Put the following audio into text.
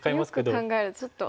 よく考えるとちょっと。